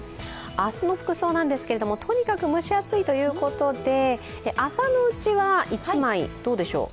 明日の服装なんですけれどもとにかく蒸し暑いということで朝のうちは１枚、どうでしょう？